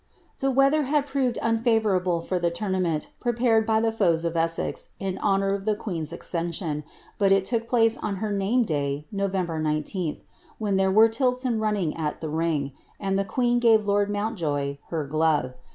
The weather had proved unfavourable for the tournament, prepared ff the foes of Essex in honour of the queen's accession, but it took ilace on her name day, Nov. 19th, when there were tilts and running il the ring, and the queen gave lord Mountjoye her dove.